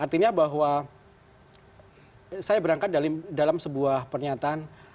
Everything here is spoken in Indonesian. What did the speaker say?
artinya bahwa saya berangkat dalam sebuah pernyataan